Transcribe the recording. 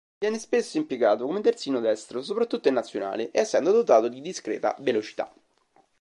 Viene spesso impiegato come terzino destro, soprattutto in Nazionale, essendo dotato di discreta velocità.